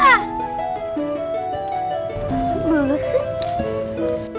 masuk dulu sih